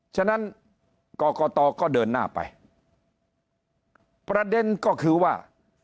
ฉะนั้นกรกตก็เดินหน้าไปประเด็นก็คือว่า